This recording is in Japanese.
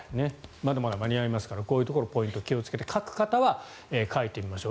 まだまだ間に合いますからこういうところのポイントを気をつけて書く方は書いてみましょう。